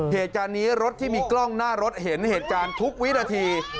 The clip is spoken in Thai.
เหตุการณ์นี้รถที่มีกล้องหน้ารถเห็นเหตุการณ์ทุกวินาที